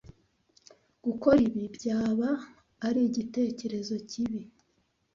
Gukora ibi byaba ari igitekerezo kibi.